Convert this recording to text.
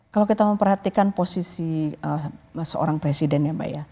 kalau kita memperhatikan posisi seorang presiden ya mbak ya